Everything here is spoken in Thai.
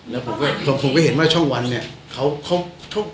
แล้วผมก็ผมก็เห็นว่าช่องวันเนี่ย